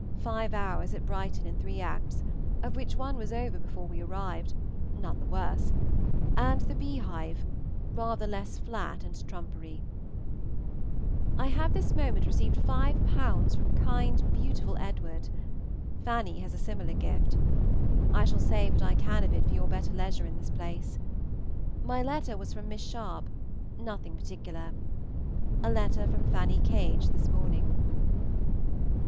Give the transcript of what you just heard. "Five Hours at Brighton," in three acts, of which one was over before we arrived, none the worse, and the "Beehive," rather less flat and trumpery. I have this moment received 5_l._ from kind, beautiful Edward. Fanny has a similar gift. I shall save what I can of it for your better leisure in this place. My letter was from Miss Sharpe, nothing particular. A letter from Fanny Cage this morning.